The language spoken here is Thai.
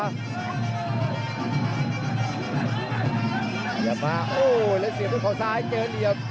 เหลี่ยมมาโอ้ยแล้วเสียบที่ขอซ้ายเติบเหลี่ยม